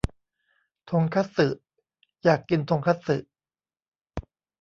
ทงคัตสึ อยากกินทงคัตสึ